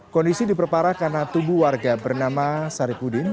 kondisi diperparah karena tubuh warga bernama saripudin